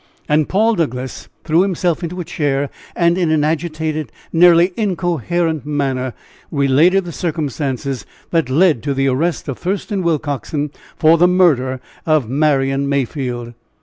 And Paul Douglass threw himself into a chair, and in an agitated, nearly incoherent manner, related the circumstances that led to the arrest of Thurston Willcoxen for the murder of Marian Mayfield.